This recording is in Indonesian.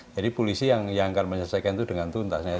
jadi polisi yang akan menyelesaikan itu dengan tuntasnya